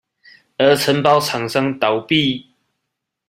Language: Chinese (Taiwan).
而承包廠商倒閉